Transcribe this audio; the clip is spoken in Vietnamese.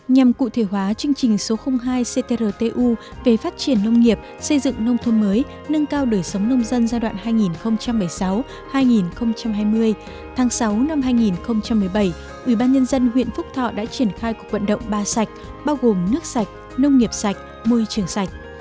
nhằm cụ thể hóa chương trình số hai ctrtu về phát triển nông nghiệp xây dựng nông thôn mới nâng cao đời sống nông dân giai đoạn hai nghìn một mươi sáu hai nghìn hai mươi tháng sáu năm hai nghìn một mươi bảy ubnd huyện phúc thọ đã triển khai cuộc vận động ba sạch bao gồm nước sạch nông nghiệp sạch môi trường sạch